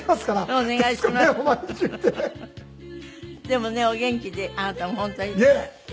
でもねお元気であなたも本当に。